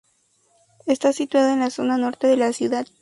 Está situado en la zona norte de la ciudad.